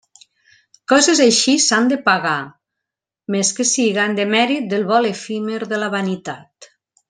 Coses així s'han de pagar, més que siga en demèrit del vol efímer de la vanitat.